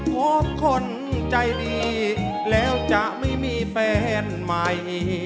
พบคนใจดีแล้วจะไม่มีแฟนใหม่